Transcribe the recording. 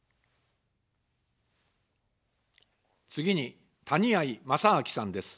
次に、谷あい正明さんです。